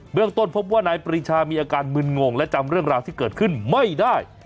เมืองต้นพบว่านายปรีชามีอาการมึนงงและจำเรื่องราวที่เกิดขึ้นไม่ได้